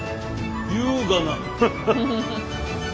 優雅な！